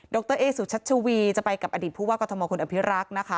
ดรเอซูชัชวีจะไปกับอดีตผู้ว่ากฎมอลคุณอภิรักษ์